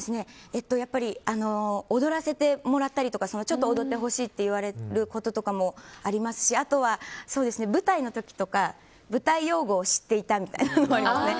やっぱり踊らせてもらったりとかちょっと踊ってほしいと言われることとかもありますしあとは舞台の時とか舞台用語を知っていたみたいなのはありますね。